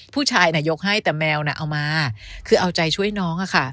ผู้ชายน่ะยกให้แต่แมวน่ะเอามาคือเอาใจช่วยน้องอะค่ะ